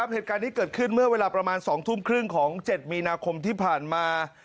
เหตุการณ์นี้เกิดขึ้นเมื่อเวลาประมาณ๒ทุ่มครึ่งของ๗มีนาคมที่ผ่านมา